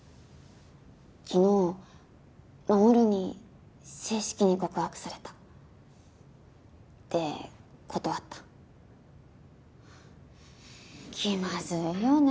昨日衛に正式に告白されたで断った気まずいよね